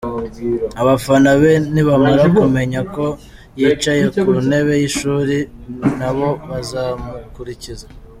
abafana be nibamara kumenya ko yicaye ku ntebe yishuri, nabo bazamukurikiza.